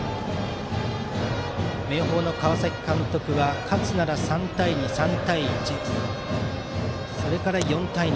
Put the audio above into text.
明豊の川崎監督は勝つなら３対２か３対１、それから４対２。